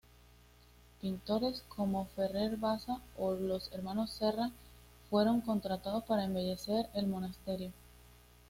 Pintores, como Ferrer Bassa o los hermanos Serra, fueron contratados para embellecer el monasterio.